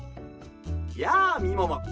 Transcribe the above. やあみもも！